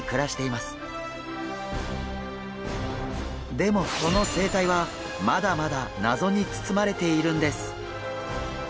でもその生態はまだまだ謎に包まれているんです。